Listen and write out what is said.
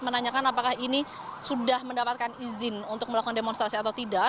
menanyakan apakah ini sudah mendapatkan izin untuk melakukan demonstrasi atau tidak